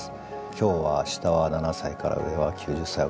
今日は下は７歳から上は９０歳。